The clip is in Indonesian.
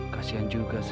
kasian juga sih